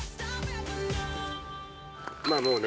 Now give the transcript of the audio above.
◆まあ、もうね。